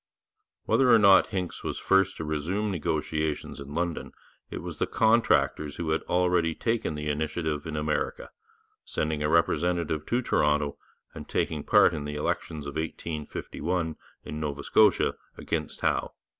Whether or not Hincks was first to resume negotiations in London, it was the contractors who had already taken the initiative in America, sending a representative to Toronto, and taking part in the elections of 1851 in Nova Scotia against Howe.